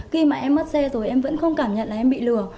khi mà em mất xe rồi em vẫn không cảm nhận là em bị lừa